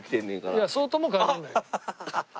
いやそうとも限んないよ。